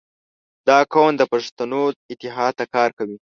• دا قوم د پښتنو اتحاد ته کار کوي.